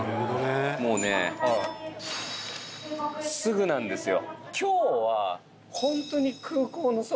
もうねすぐなんですよ。